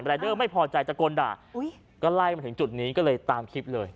เดอร์ไม่พอใจตะโกนด่าก็ไล่มาถึงจุดนี้ก็เลยตามคลิปเลย